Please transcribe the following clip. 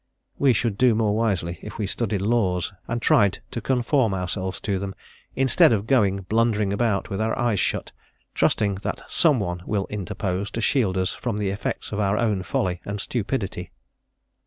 We should do more wisely if we studied laws and tried to conform ourselves to them, instead of going blundering about with our eyes shut, trusting that some one will interpose to shield us from the effects of our own folly and stupidity.